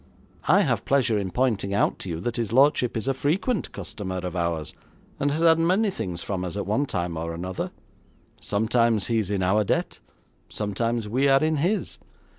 I have pleasure in pointing out to you that his lordship is a frequent customer of ours, and has had many things from us at one time or another. Sometimes he is in our debt; sometimes we are in his.